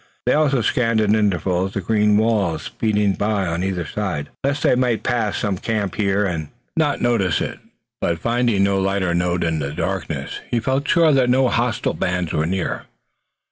They also scanned at intervals the green walls speeding by on either side, lest they might pass some camp fire and not notice it, but finding no lighter note in the darkness he felt sure that no hostile bands were near.